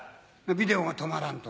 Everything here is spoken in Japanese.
ビデオが止まらんと。